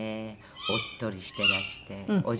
おっとりしてらしてお嬢様で。